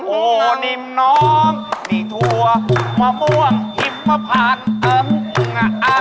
โอ้นิน้องนี่ถั่วมะม่วงหิบมะพาน